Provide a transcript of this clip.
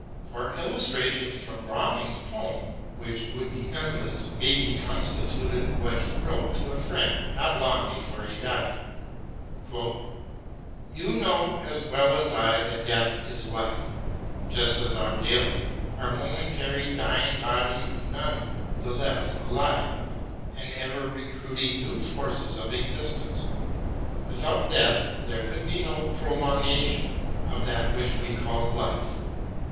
For illustrations from Browning's poems, which would be endless, may be substituted what he wrote to a friend not long before he died : You know as well as I that death is life, just as our dail/j our momentary dying body is none the less alive and ever recruiting new forces of existence ; without death there could be no pro longation of that which we call life.